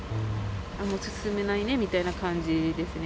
進めないねみたいな感じですね。